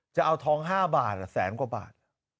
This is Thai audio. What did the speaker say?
จะเอาทอง๕บาทแสนกว่าบาท